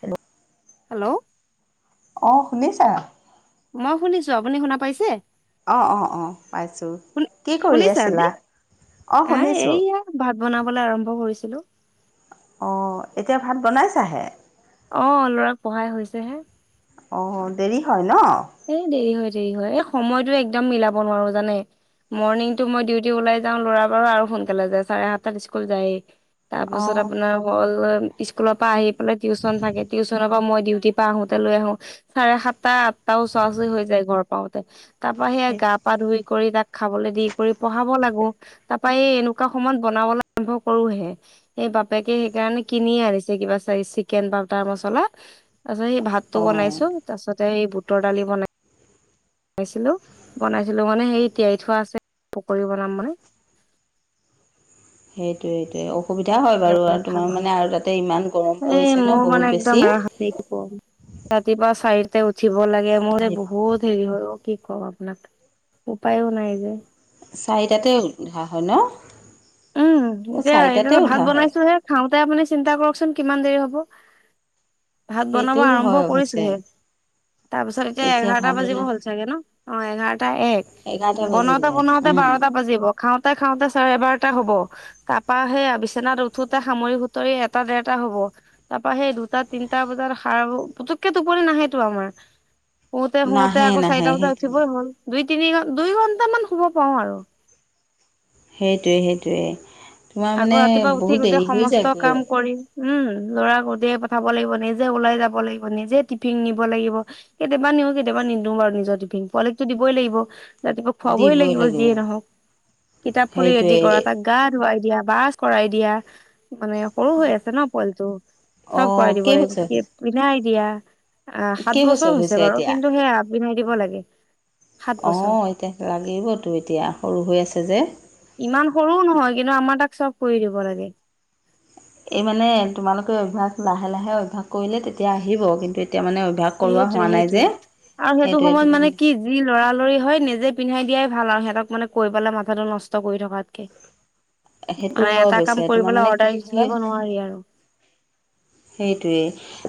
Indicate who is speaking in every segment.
Speaker 1: Hello?
Speaker 2: Hello.
Speaker 1: অঁ শুনিছা?
Speaker 2: মই শুনিছো আপুনি শুনা পাইছে
Speaker 1: অ অ অ পাইছোঁ
Speaker 2: শুনি
Speaker 1: কি কৰি
Speaker 2: শুনিছে আজি
Speaker 1: আছিলা অ
Speaker 2: আহ
Speaker 1: শুনিছোঁ
Speaker 2: এইয়া ভাত বনাবলৈ আৰম্ভ কৰিছিলোঁ।
Speaker 1: অ এতিয়া ভাত বনাইছাহে
Speaker 2: অ ল'ৰাক পঢ়াই হৈছেহে
Speaker 1: অ দেৰি হয় ন?
Speaker 2: এ দেৰি হয় দেৰি হয় এই সময়তো একদম মিলাব নোৱাৰোঁ জানে। মৰ্ণিংটো মই ডিউটি ওলাই যাওঁ, ল'ৰাবোৰ আৰু সোনকালে যায়, চাৰে সাতটাত স্কুল যায়ে তাৰ পাছত
Speaker 1: অঁ
Speaker 2: আপোনাৰ হ'ল স্কুলৰ পৰা আহি পেলাই টিউচন থাকে। টিউচনৰ পৰা মই ডিউটিৰ পৰা আহোঁতে লৈ আহো। চাৰে সাতটা তাৰো ওচৰা-ওচৰি হৈ যায়, ঘৰ পাওঁতে তাৰ পৰা সেইয়া
Speaker 1: সেই
Speaker 2: গা-পা ধুই কৰি, তাক খাবলৈ দি কৰি পঢ়াব লাগো। তাৰাপা এই এনেকুৱা সময়ত বনাবলৈ আৰম্ভ কৰো সে, বাপেকে সেইকাৰণে কিনি আনিছে কিবা চিকেন বা তাৰ মছলা মছলা। তাৰ পিছত সেই ভাতটো
Speaker 1: অঁ।
Speaker 2: বনাইছোঁ, তাৰ পিছতে সেই বুটৰ দালি বনাইছোঁ। বনাইছিলোঁ-বনাইছিলোঁ, মানে সেই তিয়াই থোৱা আছে। পকৰি বনাম মানে
Speaker 1: সেইটোয়ে-সেইটোয়ে অসুবিধা হয়
Speaker 2: এনেকে
Speaker 1: বাৰু,
Speaker 2: বনাই
Speaker 1: আৰু
Speaker 2: খাম
Speaker 1: তোমাৰ মানে আৰু তাতে ইমান গৰম
Speaker 2: এই
Speaker 1: পৰিছে ন
Speaker 2: মোৰ মানে
Speaker 1: বহুত
Speaker 2: একদম
Speaker 1: বেছি।
Speaker 2: ৰাতিপুৱা চাৰিটা তাতে উঠিব লাগে। মোৰ যে
Speaker 1: সেই
Speaker 2: বহুত হেৰি হয় অ, কি কওঁ আপোনাক, উপায়ো নাই যে
Speaker 1: চাৰিটাতে উঠা হয় ন
Speaker 2: উম।
Speaker 1: অঁ
Speaker 2: এতিয়া
Speaker 1: চাৰিটাতে
Speaker 2: এতোলে ভাত
Speaker 1: উঠা হয়।
Speaker 2: বনাইছো হে খাওঁতে তাতে আপুনি চিন্তা কৰকচোন কিমান দেৰি হ'ব। ভাত বনাব
Speaker 1: সেইটোও
Speaker 2: আৰম্ভ
Speaker 1: হয় অৱশ্যে।
Speaker 2: কৰিছোহে তাৰ পিছত এতিয়া এঘাৰটা
Speaker 1: ভাত
Speaker 2: বাজিব
Speaker 1: বনোৱা
Speaker 2: হ'ল চাগে ন, অ, এঘাৰটা-এক
Speaker 1: এঘাৰটা বাজিলে।
Speaker 2: বনাওতে-বনাওতে
Speaker 1: উম।
Speaker 2: বাৰটা বাজিব। খাওঁতে-খাওঁতে চাৰে বাৰ তে হব। তাৰপা সেই আ বিচনাত উঠোতে সামৰি সুতৰি এটা, দেৰটা হব। তাৰাপা সেই দুটা, তিনিটা বজাত সাৰ, পুতুককে টোপনি নাহেইতো আমাৰ শুতে-শুতে
Speaker 1: নাহে
Speaker 2: আকৌ
Speaker 1: নাহে
Speaker 2: চাৰিটা বজাত
Speaker 1: সেইটোৱে।
Speaker 2: উঠিবই হ'ল। দুই- তিনি, দুই ঘণ্টামান শুব পাওঁ আৰু-
Speaker 1: সেইটোৱে-সেইটোৱে
Speaker 2: আকৌ ৰাতিপুৱা উঠি গোটেই সমস্ত কাম কৰি। উম- ল'ৰা উলিয়াই পঠাব লাগিব, নিজে ওলাই যাব লাগিব, নিজে টিফিন নিব লাগিব। কেতিয়াবা নিও কেতিয়াবা- নিদিওঁ বাৰু নিজৰ টিফিন পোৱালিতো দিবই লাগিব। ৰাতিপুৱা খুৱাবই লাগিব যিয়ে নহওক, কিতাপ ফুলি ৰেডি কৰা,
Speaker 1: সেইটোৱে
Speaker 2: তাক গা ধুৱাই দিয়া বাছ কৰাই দিয়া মানে সৰু হৈ আছে ন পোৱালীটো,
Speaker 1: অ
Speaker 2: চব কৰাই দিব লাগিব
Speaker 1: কেইবছৰ হৈছে
Speaker 2: পিন্ধাই দিয়া আহ সাত বছৰ
Speaker 1: কেইবছৰ
Speaker 2: হৈছে বাৰু
Speaker 1: এতিয়া
Speaker 2: কিন্তু সেই আ পিন্ধাই দিব লাগে। সাত
Speaker 1: অ
Speaker 2: বছৰ
Speaker 1: এতিয়া লাগিবতো এতিয়া সৰু হৈ আছে যে।
Speaker 2: ইমান সৰু নহয়, কিন্তু আমাৰ তাক চব কৰি দিব লাগে।
Speaker 1: এই মানে তোমালোকে অভ্যাস লাহে-লাহে অভ্যাস কৰিলে তেতিয়া আহিব। কিন্তু এতিয়া মানে অভ্যাস কৰোৱা হোৱা নাই যে
Speaker 2: সেইটোৱে-সেইটোৱে আৰু সেইটো
Speaker 1: সেইটোৱে
Speaker 2: সময়ত
Speaker 1: তুমি
Speaker 2: মানে কি যি লৰালৰি হয়, নিজে পিন্ধাই দিয়াই ভাল আৰু সিহঁতক মানে কৈ পেলাই, মাথাটো নষ্ট কৰি থকাতকে
Speaker 1: সেইটো
Speaker 2: মানে
Speaker 1: হয়
Speaker 2: এটা
Speaker 1: অৱশ্যে
Speaker 2: কাম
Speaker 1: তোমাৰ
Speaker 2: কৰিবলৈ
Speaker 1: মানে কি
Speaker 2: অৰ্ডাৰ দি থাকিব নোৱাৰি আৰু।
Speaker 1: সেইটোৱে,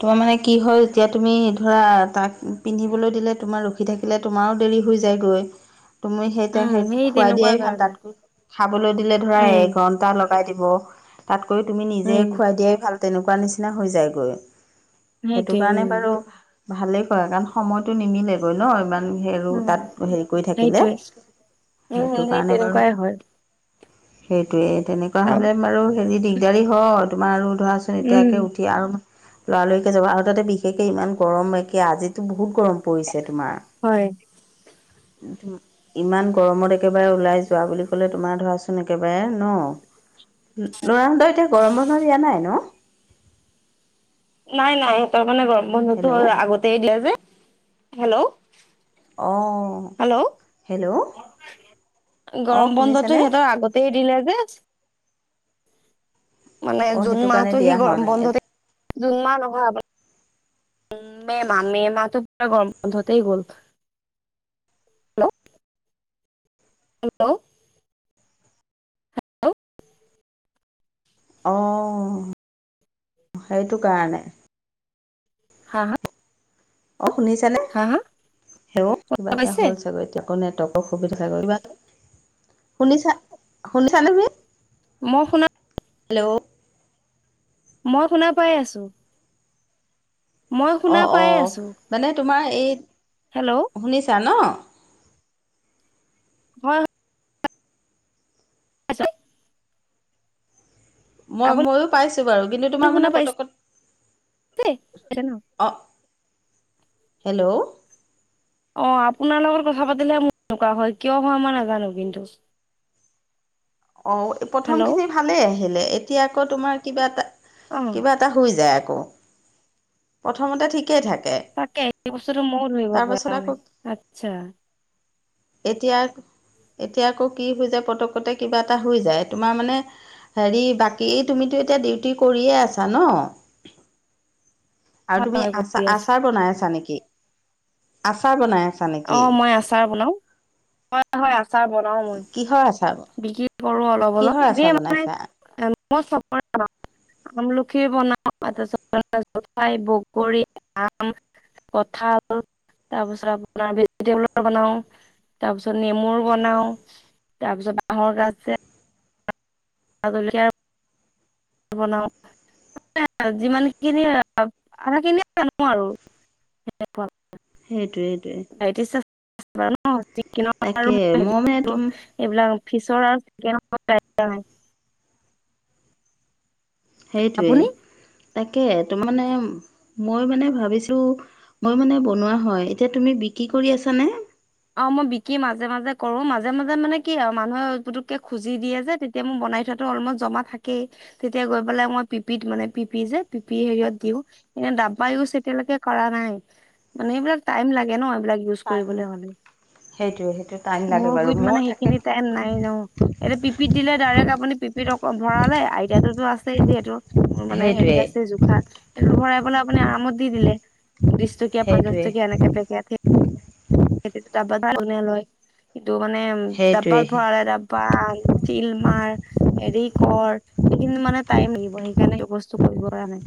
Speaker 1: তোমাৰ মানে কি হয় এতিয়া তুমি ধৰা, তাক পিন্ধিবলৈ দিলে তোমাৰ ৰখি থাকিলে, তোমাৰো দেৰি হৈ যায় গৈ তুমি সেইতা,
Speaker 2: উম
Speaker 1: সেইটো
Speaker 2: সেই
Speaker 1: খুৱাই
Speaker 2: তেনেকুৱা
Speaker 1: দিয়াই ভাল
Speaker 2: কাৰণে
Speaker 1: তাতকৈ, খাবলৈ দিলে ধৰা
Speaker 2: উম
Speaker 1: এঘন্টা লকে বজাই দিব, তাতকৈ তুমি নিজে
Speaker 2: উম
Speaker 1: খুৱাই দিয়াই ভাল। তেনেকুৱা নিচিনা হৈ যায়গৈ সেইটো
Speaker 2: সেইটোৱে
Speaker 1: কাৰণে বাৰু
Speaker 2: উম
Speaker 1: ভালেই কয়, কাৰণ সময়টো নিমিলেগৈ ন, ইমান হেৰৌ,
Speaker 2: উম
Speaker 1: তাত হেৰি কৰি থাকিলে।
Speaker 2: সেইটোৱে
Speaker 1: সেইটো
Speaker 2: উম সেই
Speaker 1: কাৰণে বাৰু
Speaker 2: তেনেকুৱাই হয়
Speaker 1: সেইটোয়ে, তেনেকুৱা হ'লে বাৰু হেৰি দিগদাৰি হয়। তোমাৰ আৰু ধৰাচোন
Speaker 2: উম
Speaker 1: এতিয়াকে লৰালৰিকে যাব। আৰু তাতে বিশেষকে ইমান গৰম একে আজিটো বহুত গৰম পৰিছে তোমাৰ
Speaker 2: হয়
Speaker 1: কিন্তু ইমান গৰমত একেবাৰে ওলাই যোৱা বুলি ক'লে, তোমাৰ ধৰাচোন একেবাৰে ন লৰাহঁতৰ এতিয়া গৰম বন্ধৰ দিয়া নাই ন?
Speaker 2: নাই-নাই সিহঁতৰ মানে গৰম বন্ধতো
Speaker 1: হেল্ল'
Speaker 2: আগতেই দিলে যে। হেল্ল'
Speaker 1: অ'হ,
Speaker 2: হেল্ল'
Speaker 1: হেল্ল' অঁ
Speaker 2: গৰম বন্ধতো
Speaker 1: শুনিছেনে
Speaker 2: সিহঁতৰ আগতেই দিলে যে মানে
Speaker 1: অঁ
Speaker 2: জুন
Speaker 1: সেইটো কাৰণে
Speaker 2: মাহতো সি
Speaker 1: দিয়া হোৱা
Speaker 2: গৰম
Speaker 1: নাই
Speaker 2: বন্ধতে, জুন মাহ নহয় মে মাহ মে মাহ পুৰা গৰম বন্ধতেই গ'ল। Hello hello? হেল্ল'
Speaker 1: অ, সেইটো কাৰণে।
Speaker 2: হা হা!
Speaker 1: অহ শুনিছানে?
Speaker 2: হা হা
Speaker 1: হেল্ল কিবা
Speaker 2: শুনা
Speaker 1: এটা
Speaker 2: পাইছে
Speaker 1: হ'ল চাগৈ এতিয়া? কৌ নেটকৰ সুবিধা চাব [inaudible] শুনিছা শুনিছা নে তুমি?
Speaker 2: মই শুনা
Speaker 1: হেল্ল'!
Speaker 2: মই শুনা পাই আছো। মই শুনা
Speaker 1: অহ
Speaker 2: পাই
Speaker 1: অহ,
Speaker 2: আছো
Speaker 1: মানে তোমাৰ এই
Speaker 2: হেল্ল'
Speaker 1: শুনিছা ন?
Speaker 2: হয় আচ্ছা।
Speaker 1: মই
Speaker 2: আপুনি
Speaker 1: ময়ো পাইছো পাইছো বাৰু কিন্তু তোমাৰ
Speaker 2: শুনা
Speaker 1: মানে
Speaker 2: পাইছে
Speaker 1: পতকত
Speaker 2: পাইছে ন
Speaker 1: অহ। হেল্ল'!
Speaker 2: অহ আপোনাৰ লগত কথা পাতিলে মোৰ এনেকুৱা হয় কিয় হয় মই নাজানো কিন্তু?
Speaker 1: অহ
Speaker 2: হেল্ল'
Speaker 1: প্ৰথমখিনি ভালে আহিলে এতিয়া আকৌ তোমাৰ কিবা এটা
Speaker 2: অ
Speaker 1: কিবা এটা হৈ যায় আকৌ। প্ৰথমতে ঠিক
Speaker 2: তাকে এই বস্তু মো ধৰিব
Speaker 1: তাৰপাছত
Speaker 2: পৰা
Speaker 1: আকৌ
Speaker 2: নাই, আচ্ছা।
Speaker 1: এতিয়া, এতিয়া আকৌ কি হৈ যায় পতকতে কিবা এটা হৈ যায় তোমাৰ মানে হেৰি বাকী তুমিতো এতিয়া ডিউটি কৰিয়ে আছা ন? আৰু
Speaker 2: হয়
Speaker 1: তুমি
Speaker 2: হয়
Speaker 1: আচা
Speaker 2: কৰি আছো
Speaker 1: -আচাৰ বনাই আছা নেকি? আচাৰ বনাই আছা নেকি?
Speaker 2: অহ মই আচাৰ বনাও, হয় হয় আচাৰ বনাও মই।
Speaker 1: কিহৰ আচাৰ
Speaker 2: বিক্ৰী কৰোঁ অলপ
Speaker 1: কিহৰ
Speaker 2: অলপ দিয়ে
Speaker 1: আচাৰ
Speaker 2: মাই
Speaker 1: বনাইছা?
Speaker 2: মানে মই চ [inaudible] আমলখি বনাও জলফাই বগৰী আম কঁঠাল তাৰপিছত আপোনাৰ ভেজিটেবলৰ বনাও তাৰ পিছত নেমুৰ বনাও তাৰপিছত বাহৰ গাজ আৰু জলকীয়া বনাওঁ যিমানখিনি আধাখিনিয়ে জানো আৰু তেনেকুৱাও।
Speaker 1: সেইটোৱে সেইটোৱে।
Speaker 2: এইবাৰ ন কিনক আৰু
Speaker 1: তাকে
Speaker 2: মই
Speaker 1: মানে তুম
Speaker 2: এইবিলাক ফিছৰ আৰু চিকেনৰকত পায় হয়।
Speaker 1: সেইটোৱে। তাকে তো মানে মই মানে ভাবিছো মই মানে বনোৱা হয়, এতিয়া তুমি বি বিক্ৰী কৰি আছানে?
Speaker 2: অহ মই বিকি মাজে মাজে কৰো মাজে মাজে মানে কি আৰু মানুহে পুতুককে খুজি দিয়ে যে তেতিয়া মোৰ বনাই থোৱাতো অলমষ্ট জমা থাকেই, তেতিয়া গৈ পেলাই মই পিপিত মানে পিপি যে পিপি হেৰিয়ত দিওঁ। এ ডাবা ইউজ এতিয়ালৈকে কৰা নাই, মানে এইবিলাক টাইম লাগে ন এইবিলাক ইউজ
Speaker 1: টাইম
Speaker 2: কৰিবলে হলে।
Speaker 1: সেইটোৱে সেইটো টাইম লাগে
Speaker 2: মোৰ
Speaker 1: বাৰু
Speaker 2: গুৰিত
Speaker 1: মই
Speaker 2: মানে
Speaker 1: তাকে
Speaker 2: সেইখিনি টাইম নাই ন? এতিয়া পিপিত দিলে ডাৰে তাতে আপুনি পিপিতক ভৰালে, আইডিয়াটো তো আছে যিহেতু মানে হেৰি
Speaker 1: সেইটোৱে
Speaker 2: আছে জোখা সে ভৰাই পলে আপুনি আৰামত দি দিলে, বিশ টকীয়া -পঞ্চাশ
Speaker 1: সেইটোৱে
Speaker 2: টকীয়া এনেকে পেকেট। সেইটো তাপা কোনে লয়। এইটো মানে ডাবা
Speaker 1: সেইটোৱে
Speaker 2: ভৰালে ডাবা চিল মাৰ হেৰি কৰ, সেইখিনি মানে টাইম লাগিব সেইকাৰণে সেই বস্তু কৰিব পৰা নাই।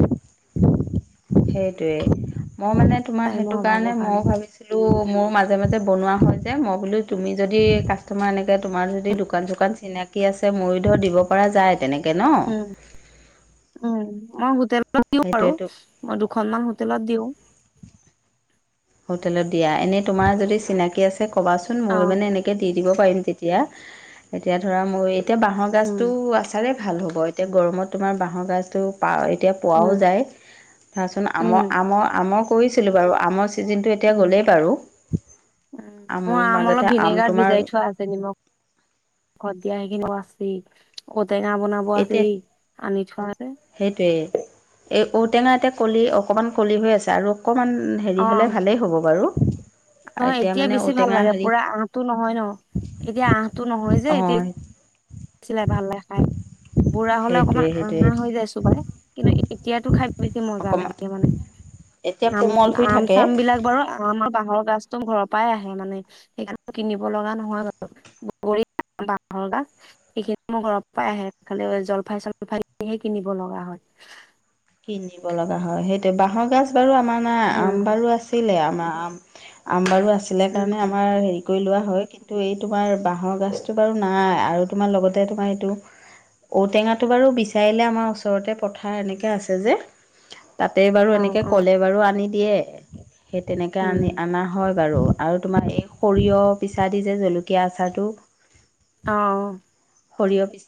Speaker 1: সেইটোৱেই, মই মানে তোমাৰ
Speaker 2: টাইমৰ
Speaker 1: সেইটো কাৰণে
Speaker 2: অভাৱৰ
Speaker 1: মই ভাবিছিলো মোৰ মাজে মাজে বনোৱা হয় যে মই বোলো তুমি যদি কাষ্টামাৰ এনেকে তোমাৰ যদি দোকান -চোকান চিনাকি আছে, ময়ো ধৰ দিব পাৰা যায় তেনেকে ন।
Speaker 2: উম উম মই হোটেলত দিও বাৰু আৰু
Speaker 1: সেইটোৱেতো
Speaker 2: মই দুখনমান হোটেলত দিওঁ।
Speaker 1: হোটেলত দিয়া এনে তোমাৰ যদি চিনাকি আছে কবাচোন
Speaker 2: অ
Speaker 1: মোৰ মানে এনেকে দি। দিব পাৰিম তেতিয়া। এতিয়া ধৰা মোৰ এতিয়া বাঁহৰ গাজতো
Speaker 2: উম
Speaker 1: আচাৰেই ভাল হ'ব এতিয়া গৰমত তোমাৰ বাঁহৰ গাজতো পা। এতিয়া পোৱাও
Speaker 2: উম
Speaker 1: যায় আচোন আম
Speaker 2: উম
Speaker 1: আম আম কৈছিলো বাৰো আম। জিনতু এতিয়া গ'লেই বাৰু।
Speaker 2: উ মো
Speaker 1: আমৰ
Speaker 2: আম অলপ
Speaker 1: মাজতে
Speaker 2: ভিনেগাৰত
Speaker 1: তোমাৰ
Speaker 2: ভিজাই থোৱা আছে নিমখ খত। এতিয়া সেইখিনিও আছেই ঔটেঙা বনাব
Speaker 1: এতিয়া
Speaker 2: আছেই আনি থোৱা যে।
Speaker 1: সেইটোৱেই এই ঔটেঙা এতে কলি অকমান কলি হৈ আছে আৰু অকণমান হেৰি
Speaker 2: অ
Speaker 1: হ'লে ভালেই হ'ব বাৰু।
Speaker 2: নহয় এতিয়া
Speaker 1: মানে
Speaker 2: বেছি ভাল
Speaker 1: ঔটেঙা
Speaker 2: লাগে
Speaker 1: হেৰি
Speaker 2: পুৰা আহটো নহয় ন এতিয়া আহটো নহয় যে এতিয়া।
Speaker 1: অঁ
Speaker 2: কিলে ভাল লাগে খাই বুঢ়া হ'লে অকমান
Speaker 1: সেইটোৱে সেইটোৱে
Speaker 2: আহা হৈ যায় চুবায় কিন্তু এতিয়া তো খাই। বেছি মজা
Speaker 1: অকণমান
Speaker 2: লাগে মানে
Speaker 1: এতিয়া
Speaker 2: আম
Speaker 1: কোমল হৈ
Speaker 2: আম
Speaker 1: থাকে
Speaker 2: চাম বিলাক বাৰো আমাৰ বাঁহৰ গাছ। একদম ঘৰৰ পৰাই আহে মানে সেইকাৰণ কিনিব লগা নহয় বাৰো বগৰী বাঁহৰ গাজ। সেইখিনি মোৰ
Speaker 1: কিনিব লগা হয় সেইটো বাঁহৰ গাজ বাৰু আমাৰ নাই আম
Speaker 2: উম
Speaker 1: বাৰো আছিলে আম। আ আম বাৰু আছিলে কাৰণে
Speaker 2: উম
Speaker 1: আমাৰ হেৰি কৰি লোৱা। হয় কিন্তু এই তোমাৰ বাঁহৰ গাজটো বাৰু নাই আৰু তোমাৰ লগতে তোমাৰ এইটো। ঔটেঙাটো বাৰু বিচাৰিলে আমাৰ ওচৰতে পথাৰ এনেকে আছে। যে তাতে বাৰু
Speaker 2: অ
Speaker 1: এনেকে
Speaker 2: অ
Speaker 1: ক'লে বাৰু আনি দিয়ে। সেই তেনেকৈ
Speaker 2: উম
Speaker 1: আনি আনা হয়। বাৰু আৰু তোমাৰ এই সৰিয়ঁহ পিছা দি যে জলকীয়া আচাৰটো।
Speaker 2: অ অ।
Speaker 1: সৰিয়ঁহ পিছ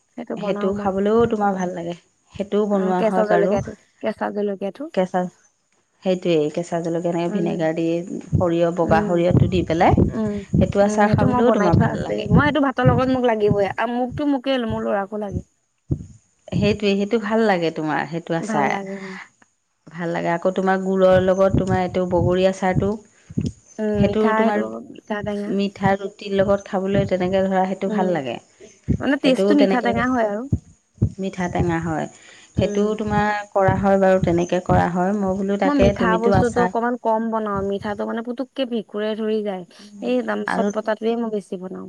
Speaker 1: সেইটো খাবলৈও তোমাৰ ভাল লাগে। সেইটোও
Speaker 2: অ
Speaker 1: বনোৱা
Speaker 2: কেঁচা
Speaker 1: হয় বাৰু
Speaker 2: জলকীয়াটো কেঁচা জলকীয়াটো
Speaker 1: কেঁচা। সেইটোৱেই কেঁচা জলকীয়া এনেকে
Speaker 2: উম
Speaker 1: ভিনেগাৰ দি সৰিয়ঁহ বগা
Speaker 2: উম,
Speaker 1: সৰিয়ঁহটো দি
Speaker 2: উম,
Speaker 1: পেলাই। সেইটো
Speaker 2: উম
Speaker 1: আচাৰ
Speaker 2: হেইটো মই
Speaker 1: খাবলৈও
Speaker 2: বনাই
Speaker 1: তোমাৰ
Speaker 2: থোৱা
Speaker 1: ভাল
Speaker 2: আছেই
Speaker 1: লাগে
Speaker 2: মই এইটো ভাতৰ লগত মোক লাগিবই আৰু মোকতো মোকেই মোৰ ল'ৰাকো লাগে।
Speaker 1: সেইটোৱে সেইটো ভাল লাগে তোমাৰ সেইটো
Speaker 2: ভাল
Speaker 1: আছাৰ।
Speaker 2: লাগে অ,
Speaker 1: ভাল লাগে আকৌ তোমাৰ গুুৰৰ লগত তোমাৰ এইটো বগৰী আচাৰটো।
Speaker 2: উম,
Speaker 1: সেইটো
Speaker 2: মিঠা
Speaker 1: তোমাৰ
Speaker 2: মিঠা টেঙা
Speaker 1: মিঠা ৰুটিৰ লগত খাবলৈ তাতে। তেনেকৈ ধৰা সেইটো
Speaker 2: উম,
Speaker 1: ভাল লাগে
Speaker 2: মানে
Speaker 1: সেইটো
Speaker 2: টেষ্টটো মিঠা
Speaker 1: তেনেকে।
Speaker 2: টেঙা হয় আৰু
Speaker 1: মিঠা টেঙা হয়
Speaker 2: উম,
Speaker 1: সেইটোও তোমাৰ কৰা হয় বাৰু তেনেকে কৰা হয়। বোলো
Speaker 2: মই
Speaker 1: তাকে
Speaker 2: মিঠা
Speaker 1: তুমিতো
Speaker 2: বস্তুটো
Speaker 1: আছা
Speaker 2: অকনমান কম বনাও মিঠাটো মানে পুতুক। কি ভেকুৰে ধৰি যায় এই তাম চৎ
Speaker 1: আৰু
Speaker 2: পতাটোৱে মই বেছি বনাও।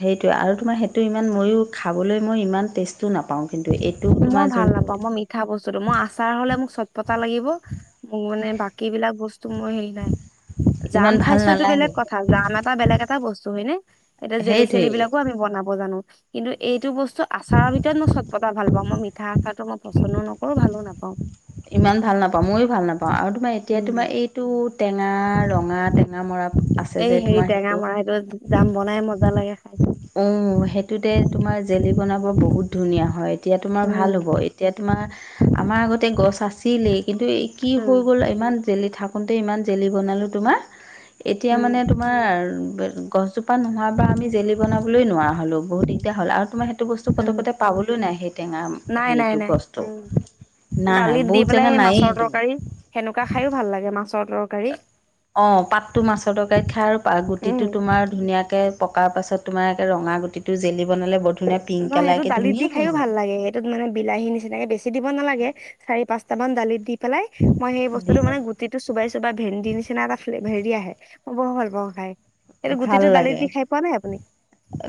Speaker 1: সেইটোৱে আৰু তোমাৰ সেইটো ইমান মইয়ো খাবলৈ মই ইমান টেষ্টও নাপাওঁ। কিন্তু এইটো
Speaker 2: মই
Speaker 1: তোমাৰ
Speaker 2: ভাল
Speaker 1: যোনটো
Speaker 2: নাপাওঁ মই মিঠা বস্তুটো আচাৰ হ'লে মোক চব। পতা লাগিব মানে বাকী বিলাক বস্তু। হেতো মই হেৰি নাই জাম
Speaker 1: ইমান ভাল
Speaker 2: খাইছো এইটো বেলেগ
Speaker 1: নালাগে
Speaker 2: কথা জাম এটা বেলেগ এটা বস্তু হয় নে। এতিয়া জেলি -চেলি
Speaker 1: সেইটোৱেই
Speaker 2: বিলাকো আমি বনাব জানো কিন্তু এইটো বস্তু আচাৰৰ ভিতৰত মই চত পতা ভাল প। মই মিঠাঁ আচাটো মই পচন্দ নকৰোঁ ভালো নাপাওঁ।
Speaker 1: ইমান ভাল নাপাওঁ মইয়ো ভাল নাপাওঁ আৰু তোমাৰ এতিয়া
Speaker 2: উম,
Speaker 1: তোমাৰ এইটো টেঙা ৰং। উঙা তেঙা মৰা। আছে
Speaker 2: এই
Speaker 1: যে
Speaker 2: হেৰি
Speaker 1: তোমাৰ
Speaker 2: টেঙা
Speaker 1: সেইটো
Speaker 2: মৰাটো যাম বনাই মজা লাগে খাই।
Speaker 1: উম সেইটোতে তোমাৰ জেলি বনাব। বহুত ধুনীয়া হয় এতিয়া তোমাৰ ভাল হ'ব
Speaker 2: উম
Speaker 1: এতিয়া তোমাৰ আমাৰ আগতে গছ আছিলেই। কিন্তু এই কি
Speaker 2: উম
Speaker 1: হৈ গ'ল ইমান জেলি থাকোঁতে ইমান জেলি বনালোঁ তোমাৰ এতিয়া
Speaker 2: উম
Speaker 1: মানে তোমাৰ গছজোপা নোহোৱাৰ পৰা আমি জেলি বনাবলৈ নোৱাৰা হলো বহুত দিগদাৰ হ'ল আৰু তোমাৰ টো বস্তু কত
Speaker 2: উম
Speaker 1: কতে পাবলৈও নাই সেই টেঙা আম
Speaker 2: নাই নাই
Speaker 1: হেৰিতো
Speaker 2: নাই
Speaker 1: গছটো নাই বহুত
Speaker 2: বলে
Speaker 1: জেগা নায়েই
Speaker 2: মাছৰ
Speaker 1: তোমাৰ।
Speaker 2: তৰকাৰী হেনেকোৱা খাই ভাল লাগে মাছৰ তৰকাৰী
Speaker 1: অ পাতটো মাছৰ তৰকাৰীত খাই আৰু প
Speaker 2: উম
Speaker 1: গুটিটো তোমাৰ ধুনীয়া এ পকাৰ পাছত তোমাৰে ৰঙা গুটিটো জেলি বনালে বহু
Speaker 2: নহ সেইটো দালিত দি খায়ো ভাল লাগে সেইটোত মানে বিলাহী নিচিনাকে বেছি দিব নালাগে চাৰি পাঁচ কটামান দালিত দি পেল মই সেই
Speaker 1: দি
Speaker 2: বস্তুটো মান গুটিতো চুবাই। বা ভেন্দি নিচিনা এটা ফে হেৰি আহে মই বৰ ভাল পাওঁ খাই। এইটো
Speaker 1: ভাল
Speaker 2: গুটিটো দালিত
Speaker 1: লাগে
Speaker 2: দি খাই পোৱা নাই আপুনি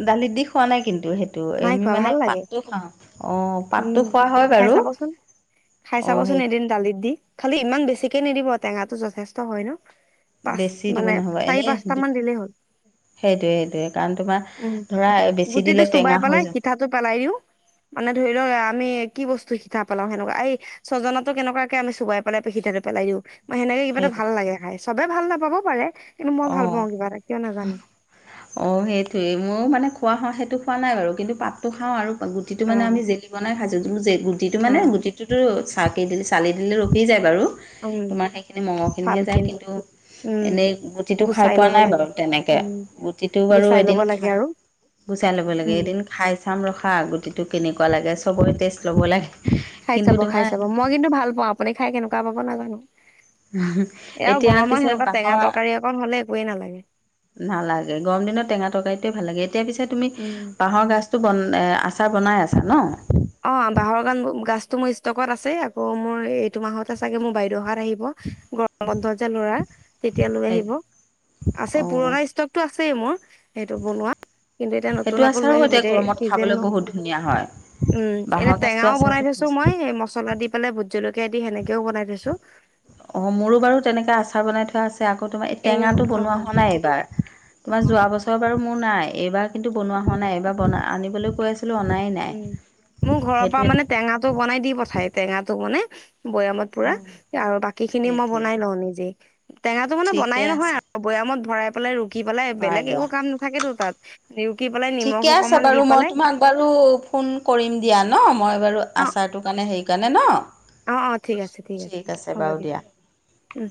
Speaker 1: দালিত দি খোৱা নাই কিন্তু সেই। টো
Speaker 2: নাই
Speaker 1: এমি
Speaker 2: খোৱা
Speaker 1: মানে
Speaker 2: ভাল লাগে
Speaker 1: পাতটো খাওঁ অ পাতটো
Speaker 2: উম
Speaker 1: খোৱা হয়
Speaker 2: খাই
Speaker 1: বাৰু
Speaker 2: চাবচোন খাই
Speaker 1: অ
Speaker 2: চাবচোন
Speaker 1: সেই
Speaker 2: এদিন দালিত দি খালি ইমান বেছিকে নিদিব টেঙাটো যথেষ্ট হয় ন। পাঁচ
Speaker 1: বেছি
Speaker 2: মানে চাৰি পাঁচট মান দিলেই হ'ল।
Speaker 1: সেইটোয়ে সেইটোয়ে কাৰণ তোমাৰ
Speaker 2: উম
Speaker 1: ধৰা বেছি
Speaker 2: গুটিটো
Speaker 1: দিলে।
Speaker 2: চুবাই
Speaker 1: টেঙা হৈ
Speaker 2: পেলাই
Speaker 1: যায়
Speaker 2: সিঠাটো পেলাই দিও মানে ধৰি লওক আমি কি বস্তু সিতা পেলাও হেনেকুৱা এই ছজনাতো কেনেকুৱাকে আমি চোবাই পেলাই সিতাতো পেলাই দিওঁ। হেনেকে কিবা এটা
Speaker 1: সেইটো
Speaker 2: ভাল লাগে খাই চবে ভাল নাপাবও পাৰে। কিন্তু মই
Speaker 1: অ
Speaker 2: ভাল পাওঁ কিবা এটা কিয় নাজানো
Speaker 1: অহ সেইটোৱেই। মই মানে খোৱা খাওঁ সেইটো খোৱা নাই বাৰু কিন্তু পাতটো খাওঁ আৰু গুটি
Speaker 2: অ
Speaker 1: মানে আমি জেলি বনাই খাইছোঁ যোন গুটিটো
Speaker 2: অ
Speaker 1: মানে গুটিটোতো। আকি চাহি দিলে চালি দিলে ৰখি যায় বাৰু
Speaker 2: উম
Speaker 1: তোমাৰ সেইখিনি মংহ
Speaker 2: ছাল
Speaker 1: খিনিহে যায়
Speaker 2: খিনি
Speaker 1: কিন্তু
Speaker 2: উম
Speaker 1: এনেই গো গুটিটো খাই
Speaker 2: গুচাই
Speaker 1: পোৱা
Speaker 2: লব
Speaker 1: নাই
Speaker 2: লাগে
Speaker 1: বাৰু তেনেকে
Speaker 2: উম
Speaker 1: গুটিটো বাৰু
Speaker 2: গুচাই
Speaker 1: এদিন
Speaker 2: লব লাগে
Speaker 1: খাই।
Speaker 2: আৰু
Speaker 1: গুচাই লব লাগে
Speaker 2: উম
Speaker 1: এদিন খাই চাম ৰখা গুটিটো কেনেকুৱা লাগে চবৰে টেষ্ট লব লাগে।
Speaker 2: খাই
Speaker 1: কিন্তু
Speaker 2: চাব খাই
Speaker 1: তোমাৰ
Speaker 2: চাব মই কিন্তু ভাল পাওঁ আপুনি খাই কেনেকুৱা পাব নাজানো।
Speaker 1: উ হু
Speaker 2: এয়া
Speaker 1: এতিয়া
Speaker 2: গৰমত
Speaker 1: পিছে
Speaker 2: সেনেকুৱা টেঙা
Speaker 1: বাহৰ।
Speaker 2: তৰকাৰী অকন হলে একোৱেই নালাগে
Speaker 1: নালাগে গৰম দিনত টেঙা তৰকাৰিটোয়ে ভাল লাগে এতিয়া পিছে তুমি
Speaker 2: উম
Speaker 1: বাহৰ গাছ বন আচাৰ বনাই আছা ন
Speaker 2: অ বাঁহৰ গান গাছতটো মোৰ ষ্টকত আছে আকৌ মোৰ এইটো মাহতে চাগে মোৰ বাইদেউহাত। আহিব গৰমত যে ল'ৰা তেতিয়া লৈ আহিব
Speaker 1: অ
Speaker 2: আছে পুৰণা ষ্টকতটো আছে। আচে মোৰ। সেইটো বনোৱা কিন্তু এতিয়া নতুন
Speaker 1: সেইটো
Speaker 2: আকৌ লৈ
Speaker 1: আচাৰো
Speaker 2: আহিব এতিয়া
Speaker 1: গৰমত
Speaker 2: চিজেন
Speaker 1: খাবলৈ
Speaker 2: নো।
Speaker 1: বহুত ধুনীয়া হয়
Speaker 2: উম এনে
Speaker 1: বাঁহৰ গাজটো
Speaker 2: টেঙাও বনাই
Speaker 1: আচাৰটো
Speaker 2: থৈছো মই মছলা দি। পালে ভোট জলকীয়া দি হেনেকেও বনাই থৈছো।
Speaker 1: অ মোৰো বাৰু তেনেকে আচাৰ বনাই থোৱা আছে। আকৌ তোমাৰ এই
Speaker 2: এনেও
Speaker 1: টেঙাটো
Speaker 2: অ
Speaker 1: বনোৱা হোৱা নাই এইবাৰ
Speaker 2: অ
Speaker 1: তোমাৰ যোৱা বছৰ বাৰু মোৰ নাই এইবাৰ। কিন্তু বনোৱা হোৱা নাইব বন আনিবলৈ কৈ আছে।
Speaker 2: উ মোৰ ঘৰৰ পৰা মানে টেঙাটো বনাই দি পঠাই টেঙাটো মানে বৈয়ামত
Speaker 1: অ
Speaker 2: পুৰা আৰু বাকী খিনি মই
Speaker 1: সেইটোৱে
Speaker 2: বনাই লওঁ নিজেই টেঙাটো মানে
Speaker 1: ঠিকে
Speaker 2: বনাই নহয়
Speaker 1: আছে
Speaker 2: আৰু বৈয়ামত ভৰাই পেলাই ৰু ৰুকি পেলাই
Speaker 1: হয়
Speaker 2: বেলেগ একো
Speaker 1: লোৱা
Speaker 2: কাম নাথাকেতো তাত ৰুকি পেলাই নিমখ
Speaker 1: ঠিকে আছে
Speaker 2: অকমান দি
Speaker 1: বাৰু মই
Speaker 2: পেলাই।
Speaker 1: তোমাক বাৰু ফোন কৰিম দিয়া ন মই বাৰু
Speaker 2: অ',
Speaker 1: আচাৰটোৰ কাৰণে সেইকাৰণে ন
Speaker 2: অ অ ঠিক আছে ঠিক আছে হ'ব দিয়া উম।